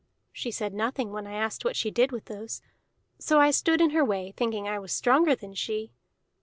She said nothing when I asked what she did with those; so I stood in her way, thinking I was stronger than she.